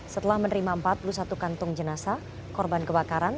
setelah menerima empat puluh satu kantong jenazah korban kebakaran